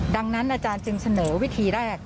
ดังนั้นอาจารย์จึงเสนอวิธีแรก